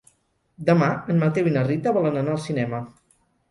Demà en Mateu i na Rita volen anar al cinema.